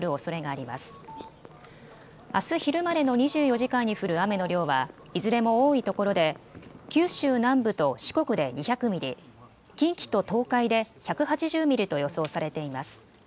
あす昼までの２４時間に降る雨の量はいずれも多いところで九州南部と四国で２００ミリ、近畿と東海で１８０ミリと予想されています。